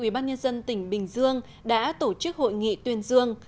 bác nhân dân tỉnh bình dương đã tổ chức hội nghị tuyên dương